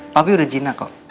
papi udah jina kok